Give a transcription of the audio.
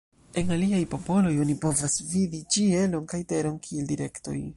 En aliaj popoloj oni povas vidi ĉielon kaj teron kiel direktoj.